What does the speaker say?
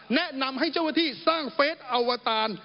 แนะนำให้เจ้าหน้าที่สร้างเฟสอวตาร